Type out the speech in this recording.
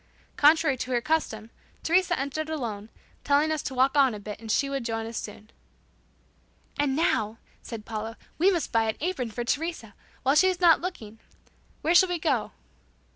Contrary to her custom Teresa entered alone, telling us to walk on a bit and she would join us soon. "And now," said Paula, "we must buy an apron for Teresa, while she's not looking. Where shall we go?"